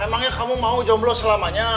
emangnya kamu mau jomblo selamanya